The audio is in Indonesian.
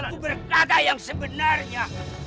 aku berkata yang sebenarnya